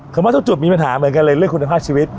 ว่าทุกจุดมีปัญหาเหมือนกันเลยเรื่องคุณภาพชีวิต